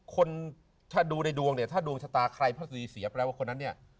คนถ้าดูในดวงเนี่ยถ้าดวงชะตาใครพระศรีเสียแปลว่าคนนั้นเนี่ย